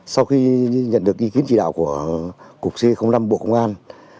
sau khi nhận được ý kiến chỉ đạo của cục c năm bộ công an